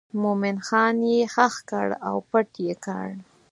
مومن خان یې ښخ کړ او پټ یې کړ.